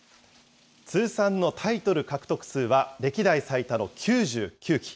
通算のタイトル獲得数は歴代最多の９９期。